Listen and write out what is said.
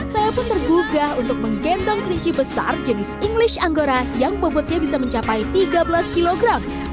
saya pun tergugah untuk menggendong kelinci besar jenis inglish anggora yang bobotnya bisa mencapai tiga belas kg